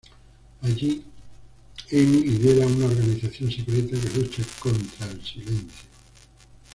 Allí Amy lidera una organización secreta que lucha contra el Silencio.